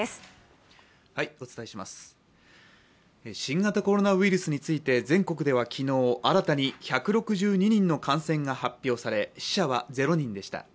新型コロナウイルスについて全国では昨日、新たに１６２人の感染が発表され死者は０人でした。